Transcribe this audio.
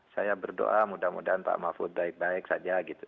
saya berdoa mudah mudahan pak mahfud baik baik saja gitu